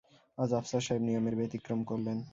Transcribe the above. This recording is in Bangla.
আজ আফসার সাহেব নিয়মের ব্যতিক্রম করলেন।